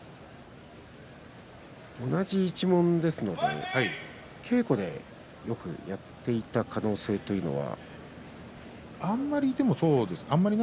同じ一門ですので稽古でよく相撲を取っていた可能性というのは。